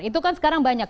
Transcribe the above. itu kan sekarang banyak